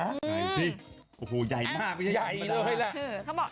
อันนี้ต้องไปถามเขาดูนะคะ